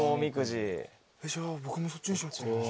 じゃあ僕もそっちにしようかな。